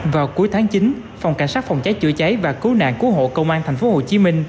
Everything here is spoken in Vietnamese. vào cuối tháng chín phòng cảnh sát phòng cháy chữa cháy và cứu nạn cứu hộ công an tp hcm